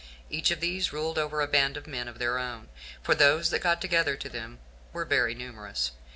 Each of these ruled over a band of men of their own; for those that got together to them were very numerous.